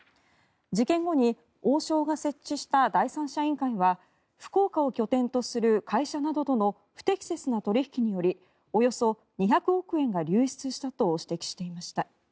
事件後に王将が設置した第三者委員会は福岡を拠点する会社などとの不適切な取引によりおよそ２００億円が流出したと指摘していました。